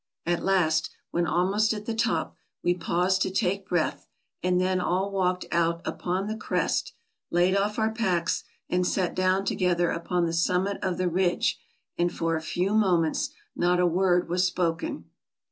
At last, when almost at the top, we paused to take breath, and then all walked out upon the crest, laid off our packs, and sat down together upon the summit of the ridge, and for a few minutes not a word was spoken.